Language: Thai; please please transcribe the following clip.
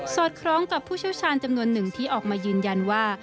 อดคล้องกับผู้เชี่ยวชาญจำนวนหนึ่งที่ออกมายืนยันว่า